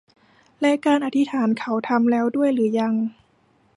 และการอธิษฐานเขาทำแล้วด้วยหรือยัง